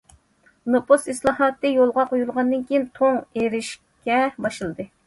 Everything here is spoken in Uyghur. نوپۇس ئىسلاھاتى يولغا قويۇلغاندىن كېيىن،‹‹ توڭ›› ئېرىشكە باشلىدى.